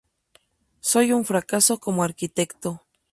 Soy un fracaso como arquitecto.